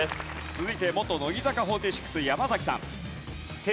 続いて元乃木坂４６山崎さん。